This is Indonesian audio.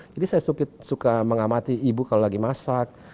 jadi saya suka mengamati ibu kalau lagi masak